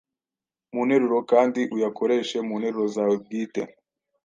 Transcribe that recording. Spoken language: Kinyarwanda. mu nteruro kandi uyakoreshe mu nteruro zawe bwite.